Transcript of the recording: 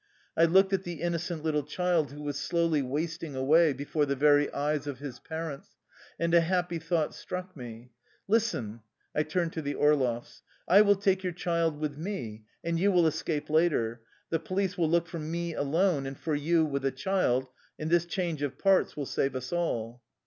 I looked at the innocent little child who was slowly wasting away before the very eyes of his parents, and a happy thought struck me. "Listen/' I turned to the Orloffs. "I will take your child with me, and you will escape later. The police will look for me alone and for you with a childj and this change of parts will save us all."